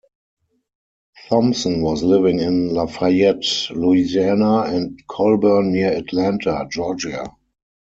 Thompson was living in Lafayette, Louisiana, and Colburn near Atlanta, Georgia.